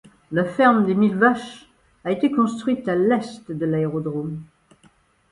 La ferme des mille vaches a été construite à l'est de l'aérodrome.